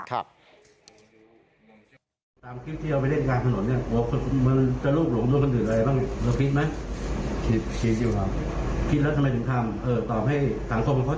ตอนนี้เราก็เริ่มร้อน